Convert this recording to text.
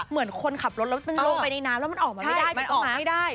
เหมือนคนขับรถแล้วมันลงไปในน้ำแล้วมันออกมาไม่ได้